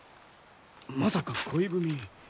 まさか恋文！？